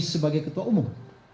jadi sebagai ketua umum